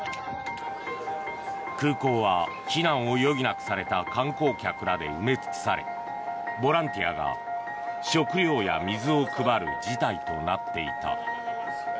空港は避難を余儀なくされた観光客らで埋め尽くされボランティアが食料や水を配る事態となっていた。